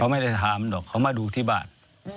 ไม่ได้ถามหรอกเขามาดูที่บ้าน